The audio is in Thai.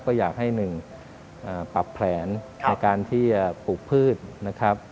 ก็อยากให้๑ปรับแผนในการที่จะปลูกพืชนะครับ